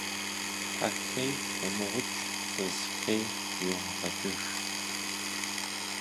Хьэ хей умыукӏ, фыз хей йумыгъэкӏыж.